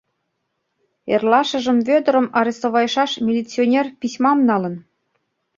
Эрлашыжым Вӧдырым арестовайышаш милиционер письмам налын.